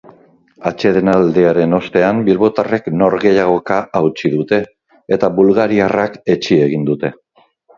Atsedenaldiaren ostean bilbotarrek norgehiagoka hautsi dute eta bulgariarrak etsi egin dute.